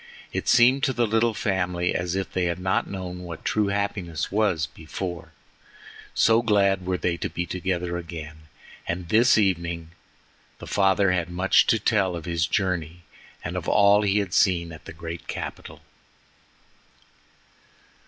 It seemed to the little family as if they had not known what true happiness was before, so glad were they to be together again, and this evening the father had much to tell of his journey and of all he had seen at the great capital.